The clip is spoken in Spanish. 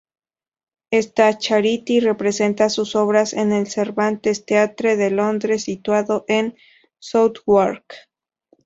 Esta "charity" representa sus obras en el Cervantes Theatre de Londres situado en Southwark.